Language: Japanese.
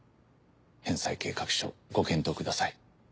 返済計画書ご検討ください。